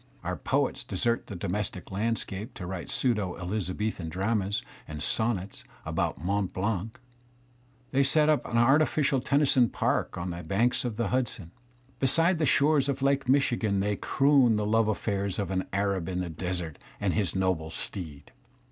Our poets desert the domestic landscape to write pseudo Elizabethan dramas and sonnets about Mont Blanc. They set up an artificial Tennyson park on the banks of the Hudson. Beside the shores of Lake Michigan they croon the love affairs of an Arab in the desert and his noble steed.